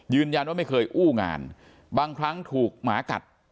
ยืนยันว่าไม่เคยอู้งานบางครั้งถูกหมากัด